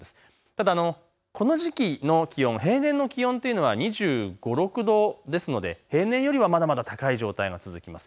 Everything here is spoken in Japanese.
ただ、この時期の気温、平年の気温というのは２５、２６度ですので平年よりはまだまだ高い状態が続きます。